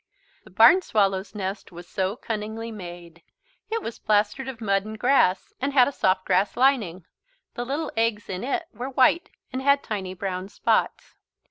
The barn swallow's nest was so cunningly made. It was plastered of mud and grass, and had a soft grass lining. The little eggs in it were white and had tiny brown spots.